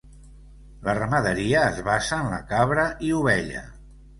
La ramaderia es basa en la cabra i ovella.